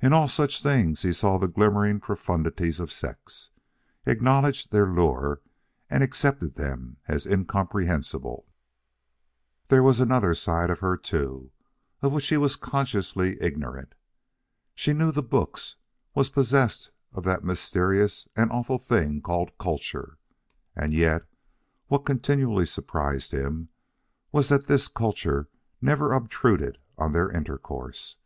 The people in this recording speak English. In all such things he saw the glimmering profundities of sex, acknowledged their lure, and accepted them as incomprehensible. There was another side of her, too, of which he was consciously ignorant. She knew the books, was possessed of that mysterious and awful thing called "culture." And yet, what continually surprised him was that this culture was never obtruded on their intercourse.